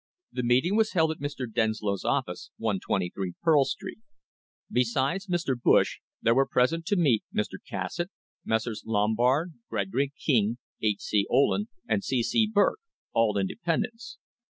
The meeting was held at Mr. Denslow's office, 123 Pearl Street. Besides Mr. Bush, there were present to meet Mr. Cassatt, Messrs. Lombard, Gregory, King, H. C. Ohlen, and C. C. Burke, all independents.